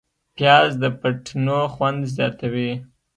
پیاز د فټنو خوند زیاتوي